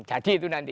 jadi itu nanti